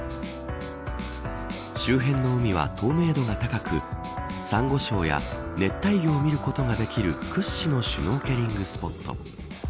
周辺の海は透明度が高くサンゴ礁や熱帯魚を見ることができる屈指のシュノーケリングスポット。